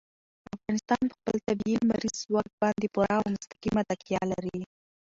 افغانستان په خپل طبیعي لمریز ځواک باندې پوره او مستقیمه تکیه لري.